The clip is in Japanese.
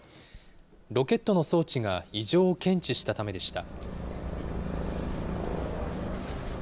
ロケットの装置が異常を検知したためでした。